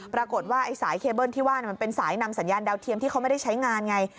ปรากฏว่าไอ้สายเคเบิ้ลที่ว่ามันเป็นสายนำสัญญาณดาวเทียมที่เขาไม่ได้ใช้งานไง